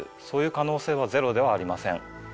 そういう可能性はゼロではありません。